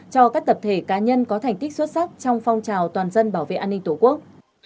cho các tập thể cá nhân có thành tích xuất sắc trong phong trào toàn dân bảo vệ an ninh tổ quốc